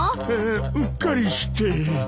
うっかりして。